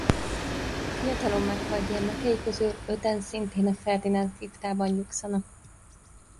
Fiatalon meghalt gyermekei közül öten szintén a Ferdinánd-kriptában nyugszanak.